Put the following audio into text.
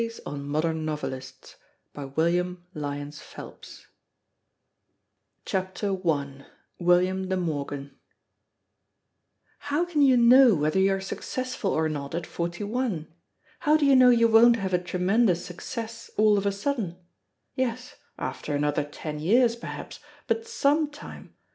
TWO POEMS 258 LIST OF PUBLICATIONS 261 ESSAYS ON MODERN NOVELISTS I WILLIAM DE MORGAN "How can you know whether you are successful or not at forty one? How do you know you won't have a tremendous success, all of a sudden? Yes after another ten years, perhaps but some time!